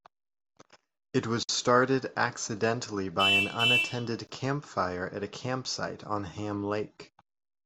It was started accidentally by an unattended campfire at a campsite on Ham Lake.